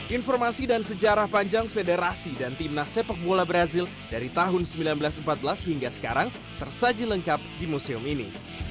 informasi dan sejarah panjang federasi dan timnas sepak bola brazil dari tahun seribu sembilan ratus empat belas hingga sekarang tersaji lengkap di museum ini